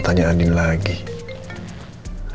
soalnya aku takut salah ngomong